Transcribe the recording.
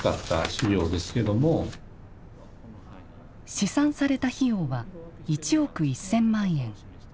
試算された費用は１億１，０００万円。